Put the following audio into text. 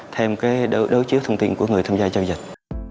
thêm cái đối chiếu thông tin của người tham gia giao dịch